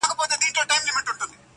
بې موجبه خوار کړېږې او زورېږي,